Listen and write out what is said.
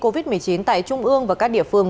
covid một mươi chín tại trung ương và các địa phương